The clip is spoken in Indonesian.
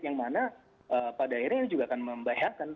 yang mana pada akhirnya ini juga akan membahayakan